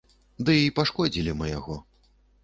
Дый пашкодзілі мы яго.